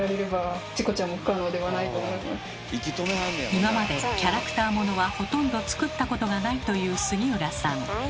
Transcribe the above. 今までキャラクターものはほとんど作ったことがないという杉浦さん。